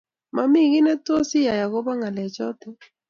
Mami giiy netos iyae agoba ngalechoto